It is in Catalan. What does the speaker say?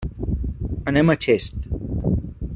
Anem a Xest.